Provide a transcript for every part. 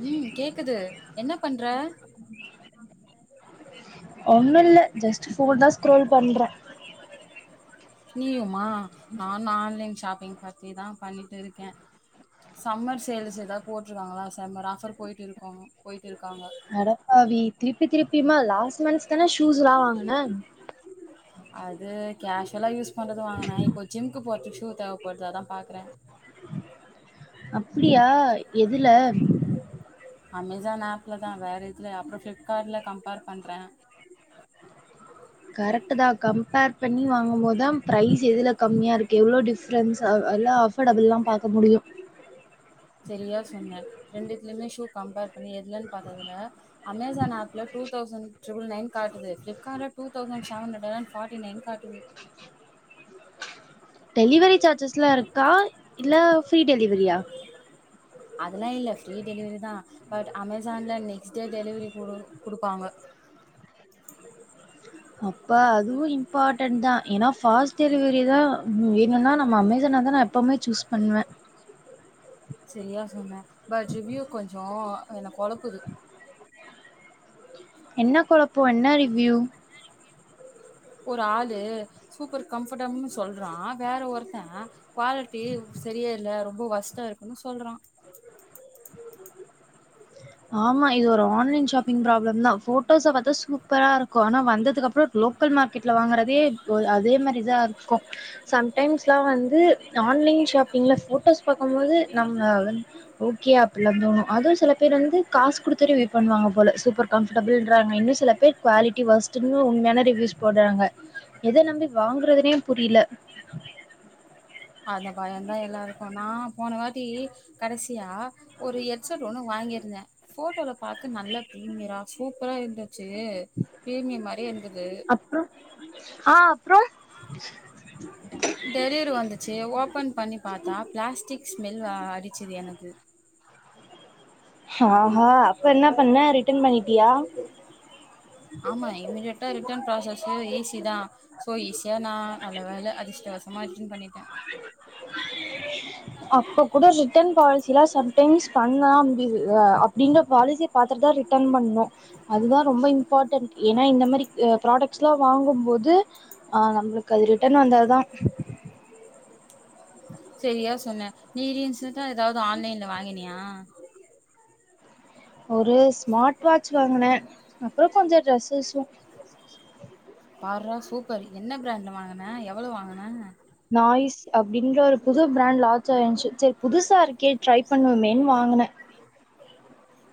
ம் கேக்குது என்ன பண்ற ஒண்ணு இல்ல ஜஸ்ட் ஃபோன் தா ஸ்கரோல் பண்றே நீயுமா நான ஆன்லைன் ஷாப்பிங் பத்திதா பண்ணிட்டு இருக்கே சம்மர் சேல்ஸ் ஏத போட்டிருக்காங்களா சம்மர் ஆஃபர் போயிட்டு இருக்கும் போயிட் அடப்பாவி திருப்பி திருப்பி த்தியமா லாஸ்ட் மந்த்ஸ் தான ஷூஸ்ல்லா வாங்கன கேஷ்யுவலா யூஸ் பண்றது வாங்கண்ணா இப்போ ஜிம்க்கு பது ஸ்சூ தேவப்படுது அதா பாக்குறே அப்டியா எதுல அமேசான் ஆப்லதா வேற எதுலய அப்றோ ஃப்ளிப்கார்ட்ல கம்பேர் பண்றே கரெக்ட் தா கம்பேர் பண்ணி வாங்கு போதுதா பிரைஸ் எதுல கம்மியா இருக்கு எவ்வளோ டிஃப்ரென்ஸ் ல்லாம் அஃபோர்டபுள்ல்லா பாக்க முடியு ரெண்டுத்துதுலயுமே ஷூ கம்பேர் பண்ணி எதுலன்னு பாத்ததுல அமேசான் ஆப்ல டூ தௌசண்ட் ரிபில் னைன் காட்டுது ஃபிப்க்கட்ல டூ தௌசண்ட் சென்ஹரண் ஃபட்டிநேயன் கா ட்டுது டெலிவரி சார்ஜஸ்லா இருக்கா இல்ல ஃப்ரீ டெலிவரியா அதெல்லா இல்ல ஃப்ரீ டெலிவரி தா பட் அமேசான்ல நெக்ஸ்ட் டே டெலிவரிடு குடு குடுப்பாங்க அப்பா அதுவும் இம்பார்ட்டன்ட் தா ஏனா பாஸ்ட் டெலிவரிதா வேணும்ன்னா நம்ம அமேசான தா நா எப்பவுமே சூஸ் பண்ணுவே செரியா சொன்ன பட் ரிவ்யூ கொஞ்சோ என்ன கொழப்புது என்ன கொழப்போ என்ன ரிவ்யூ ஒரு ஆளு சூப்பர் கம்ஃப்பட்டபுள்னு சொல்றா வேற ஒருத்த குவாலிட்டி செரியே இல்ல ரொம்ப ஒர்ஸ்ட்டா இருக்குன்னு சொல்றா ஆமா இது ஒரு ஆன்லைன் ஷாப்பிங் ப்ராப்ளம்தா போட்டோஸ பாத்தா சூப்பரா இருக்கு ஆனா வந்ததுக்கு அப்றோ லோக்கல் மார்க்கெட்ல வாங்கறதே ஒஅதே மாரிதா இருக்கு சம்டைம்ஸ்லா வந்து ஆன்லைன் ஷாப்பிங்ல போட்டோஸ் பாக்கும்போது நம்ம வந் ஓகே அப்டில்லா தோணு அதுவு சில பேர் வந்து காசுகுடுத்து ரிவியூ பண்ணுவாங்க போல, சூப்பர் கண்ஃடேபில்றாங்க இன்னு சில பேர் குவாலிடி ஒர்ஸ்ட்னு உண்மையான ரிவியூஸ் போட்றாங்க எத நம்பி வாங்கறதுனே புரில அந்த பயோந்தா எல்லாருக்கு, நா போனவாடி கடைசியா ஒரு ஹெட்செட் ஒண்ணு வாங்கியிருந்தே போட்டோல பாார்க நல்ல பிரீமியரா சூப்பரா இருந்து ச்சு பீரிமியம் மாரியே இருந்துது ச்சு டெலிவரி வந்துச்சு ஓபன் பண்ணி பாத்தா பிளாஸ்டிக் ஸ்மெல் ஆ அடிச்சுது எனக்கு ஹா ஹா அப்ப என்ன பண்ண ரிட்டன் பண்ணி ட்டியா டன் ப்ராஸ்சு ஈஸி தா சோ ஈஸியா நா நல்ல வேல அதிர்ஷ்டவசமா ரிட்டன் பண்ணிட்டே அப்ப கூட ரிட்டன் பாலிசிலா சம்டைம்ஸ் பண்ணா இ அ அப்டிங்கிற பாலிசிய பாத்துட்தா ரிட்டன் பண்ணு அதுதா ரொம்ப இம்பார்ட்டன்ட் ஏன்னா இந்த மாதிரி அ ப்ராடக்ட்ஸ்லா வாங்கும்போது ஆ நம்ளுக்கு அது ரிட்டன் வந்தாதா செரியா சொன்ன நீ ரின்ஸன்ட்டா ஏதாவுது ஆன்லைன்ல வாங்கினியா ஒரு ஸ்மார்ட் வாட்ச் வாங்குனே அப்புறோ கொஞ்ச ட்ரெஸ்ஸஸ்சு பார்றா சூப்பர் என்ன பிராண்ட்ல வாங்குன எவளோ வாங்குன ஆயிஸ் அப்டிங்க ஒரு புது பிராண்ட் லான்ச் ஆயிஞ்ச்சு சேர் புதுசா இருக்கே ட்ரை பண்ணுவமேன்னு வாங்குனே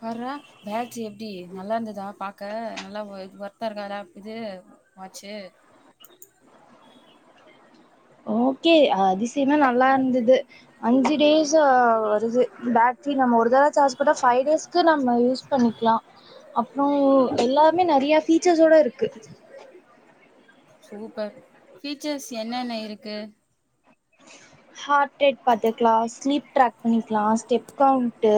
பார்றா பேட்ரி எப்டி நல்லாருந்துதா பாக்க நல்லா ஒ ஒர்த்தா இருக்காரா இது வாச்சு ஓக்கே அ அதிசயமா நல்லாருந்துது அஞ்சு டேசா வருது பேட்ரி நம்ம ஒரு தடவ சார்ஜ் போட்டா ஃபை டேஸ்க்கு நம்ம யூஸ் பண்ணிக்கிலா அப்றோ எல்லாமே நெறியா ஃபீச்சர்ஸோட இருக்கு சூப்பர் ஃபீச்சர்ஸ் என்னென்ன இருக்கு ஹார்ட்ரேட் பாத்துக்லா ஸ்லீப் ட்ராக் பண்ணிக்கிலா ஸ்டெப் கவுண்ட்டு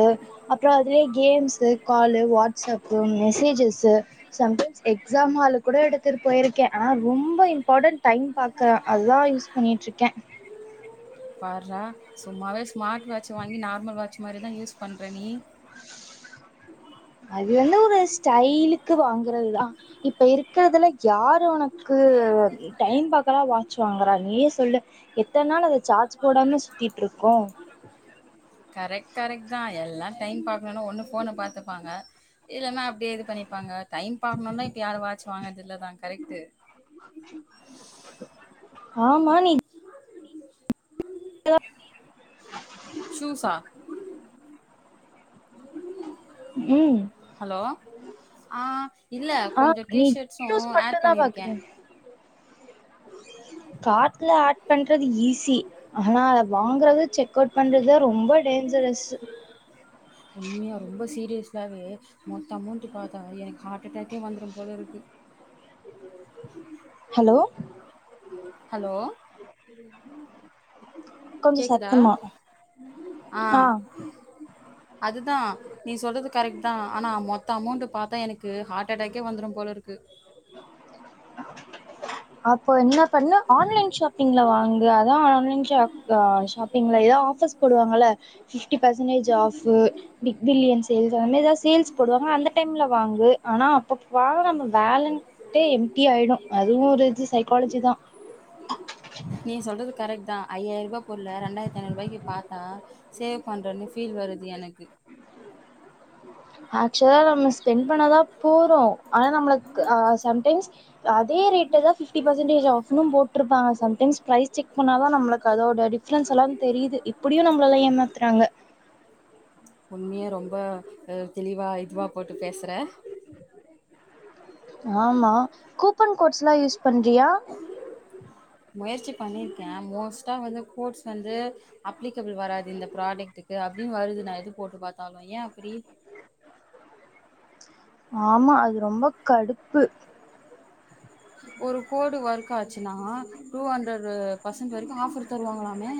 அப்றோ அதுலயே games call WhatsApp messages sometimes exam ஹாலுக் கூட எடுத்துட்டு போயிருக்கே ஆனா ரொம்ப இம்பார்ட்டன் டைம் பாக்க அதா யூஸ் பண்ணிட்ருக்கே பார்றா சும்மாவே ஸ்மார்ட் வாட்ச் வாங்கி நார்மல் வாட்ச் மாரிதா யூஸ் பண்ற நீ அது வந்து ஒரு ஸ்டையிலுக்கு வாங்குறதுதா இப்ப இருக்கறதுல யார் உனக் க்கு டைம் பாக்கலா வாட்ச் வாங்குற நீயே சொல்லு எத்தன் நாள் அத சார்ஜ் போடாம சுத்திட்ருக்கோ கரெக்ட் கரெக்ட் தான் எல்லா டைம் பாக்றனு ஒண்ணு ஃபோன பாத்துப்பாங்க இல்லனா அப்டியே இது பண்ணிப்பாங்க டைம் பாக்கணுன்னு இப்ப யாரு வாட்ச் வாங்கறதில்லதா கரெக் ட்டு ஆமா நீ க்குதா சூஸ்சா ம் ஹலோ ஆ இல்ல ஆ கொஞ்சோ நீ டீஷர்ட்ஸ்சு ஆட் பண்ணிருக்கே கார்ட்டுல ஆட் பண்றது ஈஸி ஆனா அத வாங்குறது செக் அவுட் பண்றதா ரொம்ப டேஞ்சரஸ் ஸ்ஸாவே ப மொத்த அமோண்ட்டு பாத்தா எனக் ஹார்ட்டடேக்கே வந்துரும் போல இருக்கு [inaudible] ஹலோ ஹலோ கொஞ்ச கேக்குதா சத்தமா ஆஹ அதுதா நீ சொல்றது கரெக்ட் தா அனா மொத்த அமௌண்டு பாத்தா எனக்கு ஹார்ட்டடேக்கே வந்துரும் போல இருக்கு அப்போ என்ன பண்ணு ஆன்லைன் ஷாப்பிங்ல வாங்கு அத்தா ஆன்லைன் ஷாப்ப ஷாப்பிங்ல எதே ஆஃபர்ஸ் போடுவாங்குல fifty percentage off big billion sales அந்த மாதி சேல்ஸ் போடுவாங்க அந்த டைம்ல வாங்கு அனா அப்பப்ப [unintelligible] வேலண்டே டி ஆயிடு அதுவு ஒரு இது சைக்காலஜி தா நீ சொல்றது கரெக்ட் தா ஐயாயிர ரூபா பொருள ரெண்டாயிரத்து ஐநூரூபாய்கு பாத்தா சேவ் பண்றேன்னு ஃபீல் வருது எனக்கு அக்ச்சுவல்லா நம்ம ஸ்பென்ட் பண்ணாதா போறோ ஆனா நம்மலுக் சம்டைம்ஸ் அதே ரேட்டதா ஃபிட்டி பெர்செண்டேஜ் ஆஃப்ன்னு போட்டுருப்பாங்க சம்டைம்ஸ் ப்றைஸ் செக் பண்ணாதா நம்மலுக்கு அதோட டிஃப்ரன்ஸ் எல்லா தெரியுது இப்படியு நம்ம எல்லா ஏமாத்துறாங்க உண்மையே ரொம்ப தெளிவா இதுவா போட்டு பேசுறே ஆமா கூப்பன் கோட்ஸ் எல்லா யூஸ் பண்றியா முயற்சி பண்ணிருக்கே மோஸ்ட்டா வந்து கோட்ஸ் வந்து அப்ளி அப்ளிகேபிள் வராது இந்த ப்ராடக்டுக்கு அ திடிர்னு வருது நா எது போட்டு பாத் த்தாலு ஏயா அப்படி ஆமா அது ரொம்ப கடுப்பு ஒரு கோடு ஒர்க் ஆச்சுன்னா டூ ஹண்ட்ரட் பர்சன்ட் வரைக்கும் ஆஃபர் தருவாங்களாமே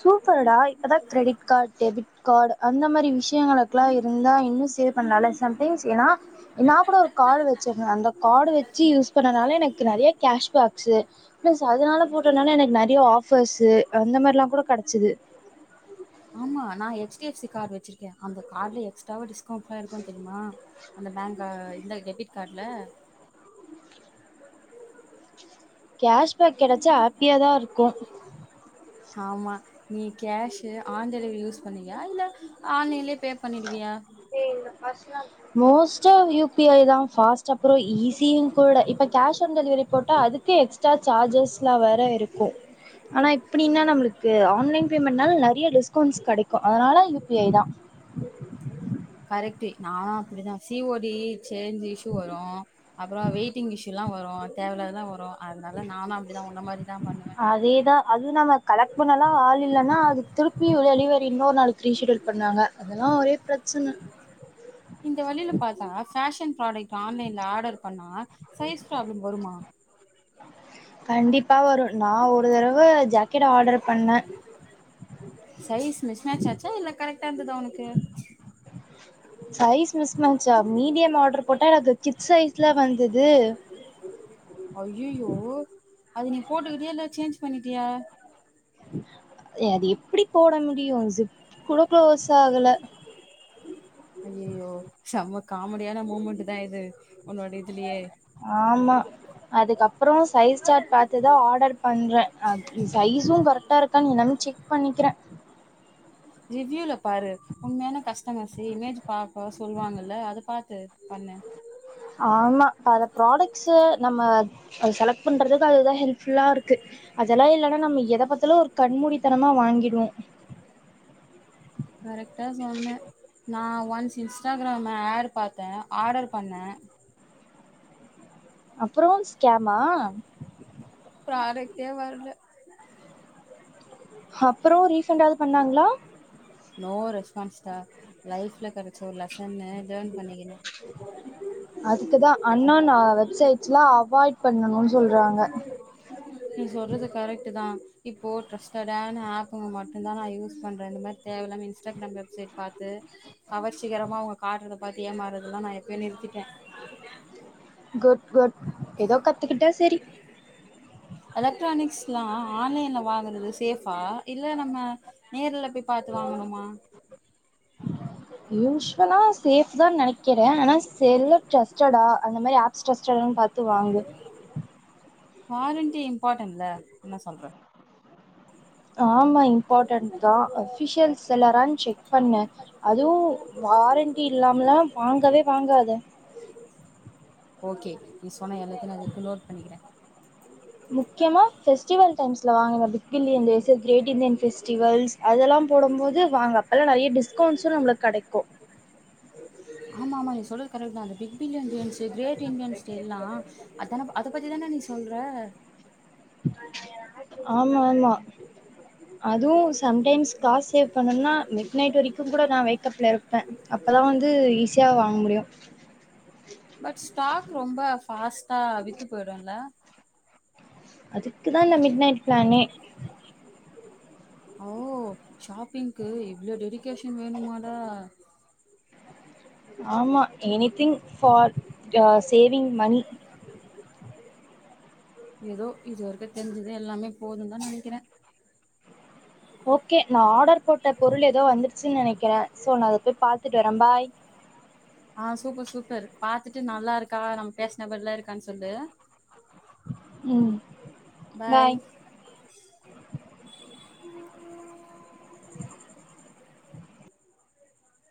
சூப்பர்டா அத்தா கிரெடிட் கார்டு டெபிட் கார்டு அந்த மாரி விஷ் விஷயங்கலுக்கெல்லா இருந்தா இன்னும் சேவ் பண்ணல இல்ல சம்டைம்ஸ் ஏன்னா நாகூட ஒரு கார்டு வெச்சிரு அந்த கார்டு வெச்சு யூஸ் பண்ணனால எனக்கு நெறைய கேஷ்பேக்ஸு பிளஸ் அதனால போட்டனால எனக்கு நெறையா ஆஃபர்ஸ்ஸு அந்த மாரிலா கெடச்சது H D F C card வெச்சிருக்கே அந்த கார்டுல எக்ஸ்டரவா டிஸ்கௌண்ட்டுலா இருக்கோ தெரியுமா அந்த பேங்க இந்த டெபிட் கார்டுல கேஷ்பேக் கிடைச்சா ஆஹப்பியாதா இருக்கோ ஆமா நீ கேஷ்சு ஆன் டெலிவரி யூஸ் பண்ணுவியா இல்ல ஆன்லைன்லயே பே பண்ணிடுவியா மோஸ்டா யூ பி ஐ தா ஃபாஸ்ட் அப்புறோ ஈசியும் கூட இப்ப கேஷ் ஆன் டெலிவரி போட்ட அதுக்கே எக்ஸ்ட்ரா சார்ஜெஸ்லா வேற இருக்கூ ஆன இப்டினா நமளுக்கு ஆன்லைன் பேமெண்ட்னால நெறைய டிஸ்கவுண்ட்ஸ் கெடைக்கோ அதுனால யூ பி ஐ தா கரெக்ட் நானு அப்டிதா C O D change issue வரோ அப்புறோ வெயிட்டிங் இஷு ல்லா வரோ தேவல்லாதெல்லா வரோ அதனால நானும் அப்டிதா உன்ன மாரி தா பண்ணுவே அதேதா அது நம்ம கலெக்ட் பண்ணல்லா ஆள் இல்லன்னா அது திருப்பி டெலிவரி இன்னொரு நாளைக்கு ரீசெட்யூல் பண்ணாங்க அதெல்லா ஒரே பிரச்சன இந்த வழியில பார்த்தா ஃபேஷன் ப்ராடக்ட் ஆன்லைன்ல ஆர்டர் பண்ணா சைஸ் பிராப்ளம் வருமா கண்டிப்பா வரும் நா ஒரு தடவ ஜாக்கெட் ஆர்டர் பண்ணே சைஸ் மிஸ் மேட்ச் ஆச்சா இல்ல கரெக்டா இருந்ததா உனக்கு சைஸ் மிஸ் மேச்சா மீடியம் ஆர்டர் போட்டா எனக்கு கிட்ஸ் சைஸ்ல வந்தது அய்யோயோ அது நீ போட்டுக்கிட்டியா இல்ல சேஞ்ச் பண்ணிட்டியா அது எப்படி போட முடியும் சிப் கூட குளோஸ் ஆகல அஐயயோ செம்ம காமெடியான மூமெண்ட் தான் இது உன்னோட இதுலயே ஆமா அதுக்கப்புறோ சைஸ் சாட் பத்துதான் ஆர்டர் பண்றேன் அ சைஸும் கரெக்டா இருக்கான்னு எல்லாமே செக் பண்ணிக்கிறேன் ரிவ்யூல பாரு உண்மையான கஸ்டமர்ஸ்ஸு இமேஜ் பாக்க சொல்லுவாங்கல்ல அது பாத்து பண்ணு ஆமா இப்ப அத ப்ராடக்ட்ஸ்ஸு நம்ம செலக்ட் பண்றதுக்கு அதுதான் ஹெல்ப் ஃபுல்லா இருக்கு அதெல்லா இல்லன்னா நம்ம எதை பத்தாலும் ஒரு கண்மூடித்தனமா வாங்கிடுவோம் கரெக்டா சொன்னேன் நான் ஒன்ஸ் இன்ஸ்டாகிரம் ஆட்ட் பாத்தேன் ஆர்டர் பண்ணேன் அப்புறோ ஸ்கேமா புரொடக்டே வரல அப்புறோ ரீசென்ட் ஆவது பண்ணாங்களா நோ ரெஸ் பான்ஸ்ட்டா லைஃப்ல கெடைச்ச ஒரு லெசன்னு டேர்ன் பண்ணிக்கிட்டேன் அண்ணா நான் வெப்சைட்ஸ்லா அவாய்ட் பண்ணனுன்னு சொல்றாங்க நீ சொல்றது கரெட்டு தான் இப்போ ட்ரஸ்ட்டடான ஆப்புங்க மட்டும் தான் நான் யூஸ் பண்றேன் இந்த மாரி தேவை இல்லாமை இன்ஸ்டாகிராம் வெப்சைட் பார்த்து கவர்ச்சிகரமா அவுங்க காட்டுறத பார்த்து ஏமாறுறது எல்லாம் நான் எப்பயோ நிறுத்திட்டே குட் குட் எதோ கத்துக்கிட்டா செரி எலக்ட்ரானிக்ஸ்லா அஹ் ஆன்லையே ஆன்லைன்ல வாங்கறது சேஃபா இல்லை நம்ம நேர்ருல போய் பாத்து வாங்கணுமா யூஸ்வலா சேஃப் தா நெனைக்கே [unintelligible] ஆனா செல்ல டிரஸ்ட்டடா அந்த மாரி ஆட்- இன்ட்ரஸ்டடானு பாத்து வாங்கு வாரண்ட்டி இம்பார்ட்டன்ல என்ன சொல்ற ஆமா இம்பார்ட்டன்ட்டு தான் அஃபிஷியல் செல்லரானு செக் பண்ணு அதுவும் வாரண்ட்டி இல்லாமலாம் வாங்கவே வாங்காத ஓகே ஈசி இப்போ நான் எல்லாத்தையும் நான் இக்குனோர் பண்ணிக்ருக்கிறே முக்கியமா ஃபெஸ்டிவல் டைம்ஸ்ல வாங்க பிக்பில்லியன் கிரேட் இந்தியன் ஃபெஸ்டிவல்ஸ் அதெல்லாம் போடும் போது வாங்க அப்பல்லாம் நெறைய டிஸ்கவுண்ட்ஸும் நம்பளுக்கு கெடைக்கோ ஆமா ஆமா நீ சொல்லுறது கரெக்ட் தான் அந்த big billion days the great Indian ஸ்டெல்னா அதானப் அதை பத்தி தான நீ சொல்ற ஆமா ஆமா அதுவும் சம்டைம்ஸ் காசு சேவ் பண்ணணும்னா மிட் நைட்டு வரைக்கும் கூட நா வேக்கப்ல இருப்ப அப்பதா வந்து ஈஸியா வாங்க முடியும் பட் ஸ்டாக் ரொம்ப ஃபாஸ்ட்டா வித்து போய்டுல அதுக்குதா இந்த மிட் நைட் பிளானே ஓ ஷாப்பிங்க்கு இவ்ளோ டெடிகேஷன் வேணுமாடா ஆமா anything for ah saving money ஏதோ இதுவரைக்கு தெரிஞ்சது எல்லாமே போதும்ன்னு தா நெனைக்கிற ஓகே நா ஆர்டர் போட்ட பொருள் ஏதோ வந்துருச்சுன்னு நெனைக்கிற சோ நா அத போய் பாத்துட்டு வர பாய் அஹ் சூப்பர் சூப்பர் பாத்துட்டு நல்லா இருக்கா நம்ம பேசுனபடிலாம் இருக்கா கான் சொல்லு ம் பாய்